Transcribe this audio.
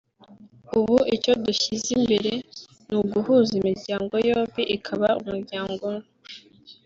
ubu icyo dushyize imbere ni uguhuza imiryango yombi ikaba umuryango umwe”